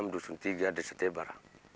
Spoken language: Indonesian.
di tiga desa tebara